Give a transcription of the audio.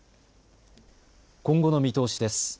今後の見通しです。